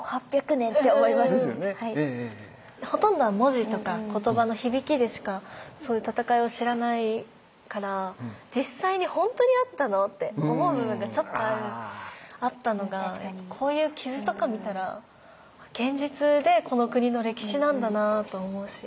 ほとんどは文字とか言葉の響きでしかそういう戦いを知らないから実際にほんとにあったの？って思う部分がちょっとあったのがこういう傷とか見たら現実でこの国の歴史なんだなと思うし。